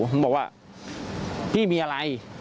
ผมบอกว่าพี่มีอะไร